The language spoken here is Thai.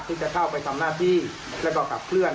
จะเข้าไปทำหน้าที่แล้วก็ขับเคลื่อน